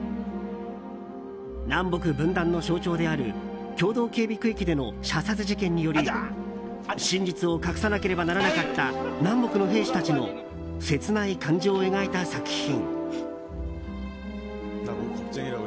南北分断の象徴である共同警備区域での射殺事件により真実を隠さなければならなかった南北の兵士たちの切ない感情を描いた作品。